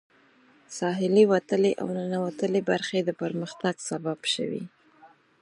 د ساحلي وتلې او ننوتلې برخې د پرمختګ سبب شوي.